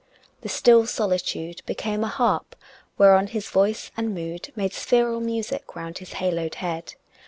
The still solitude Became a harp whereon his voice and mood Made spheral music round his haloed head.